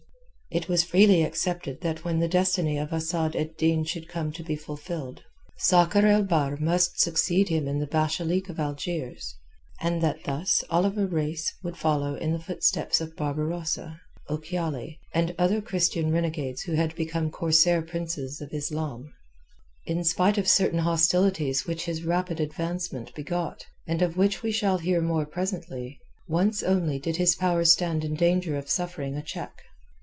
It was freely accepted that when the destiny of Asad ed Din should come to be fulfilled, Sakr el Bahr must succeed him in the Bashalik of Algiers, and that thus Oliver Reis would follow in the footsteps of Barbarossa, Ochiali, and other Christian renegades who had become corsair princes of Islam. In spite of certain hostilities which his rapid advancement begot, and of which we shall hear more presently, once only did his power stand in danger of suffering a check.